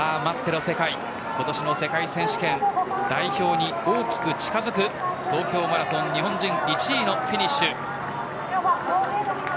今年の世界選手権代表に大きく近づく東京マラソン日本人１位のフィニッシュ。